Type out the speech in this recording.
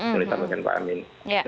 menurut saya dengan pak amin